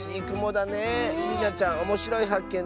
りなちゃんおもしろいはっけん